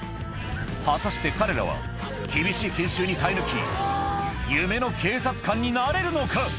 果たして彼らは、厳しい研修に耐え抜き、夢の警察官になれるのか。